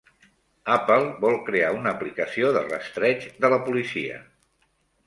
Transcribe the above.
Apple vol crear una aplicació de rastreig de la policia